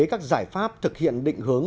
các giải pháp thực hiện định hướng